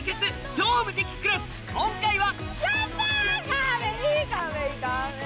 『超無敵クラス』今回は